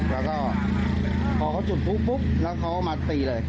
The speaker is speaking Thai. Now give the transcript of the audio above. แล้วก็พอเขาจุดปุ๊บปุ๊บแล้วเขาก็มาตีเลย